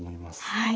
はい。